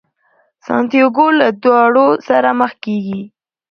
سانتیاګو له داړو سره مخ کیږي.